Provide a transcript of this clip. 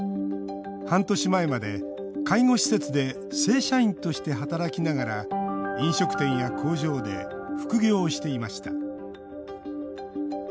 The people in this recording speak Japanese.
半年前まで、介護施設で正社員として働きながら飲食店や工場で副業をしていました。